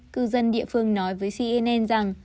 cư dân địa phương nói với cnn rằng